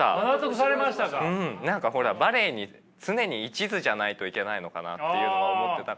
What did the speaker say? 何かほらバレエに常にいちずじゃないといけないのかなっていうのは思ってたから。